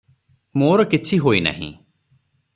ମୋର କିଛି ହୋଇନାହିଁ ।